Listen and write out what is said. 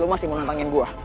lu masih mau nantangin gua